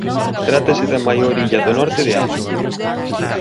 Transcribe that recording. Trátase da maior illa do norte de África.